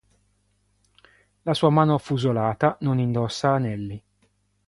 La sua mano affusolata non indossa anelli.